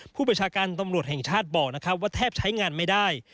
ประชาการตำรวจแห่งชาติบอกนะครับว่าแทบใช้งานไม่ได้